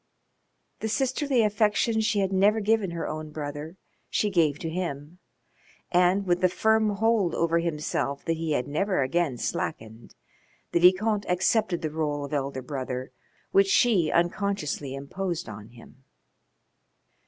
The sisterly affection she had never given her own brother she gave to him, and, with the firm hold over himself that he had never again slackened, the Vicomte accepted the role of elder brother which she unconsciously imposed on him.